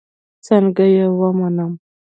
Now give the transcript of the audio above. څنگه يې ومنم.